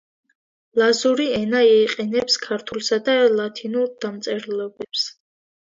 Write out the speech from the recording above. ლაზური ენა იყენებს ქართულსა და ლათინურ დამწერლობებს.